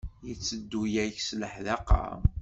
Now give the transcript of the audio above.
Yetteddu-ak s leḥdaqa?